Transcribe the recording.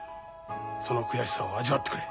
その悔しさを味わってくれ。